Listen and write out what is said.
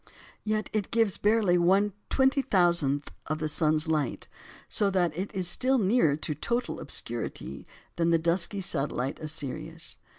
Yet it gives barely 1/20000th of the sun's light, so that it is still nearer to total obscurity than the dusky satellite of Sirius.